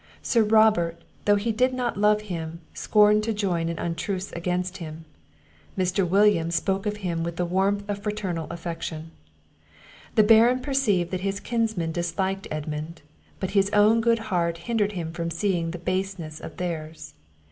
Sir Robert, though he did not love him, scorned to join in untruths against him. Mr. William spoke of him with the warmth of fraternal affection. The Baron perceived that his kinsmen disliked Edmund; but his own good heart hindered him from seeing the baseness of theirs.